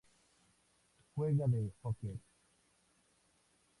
Juega de hooker.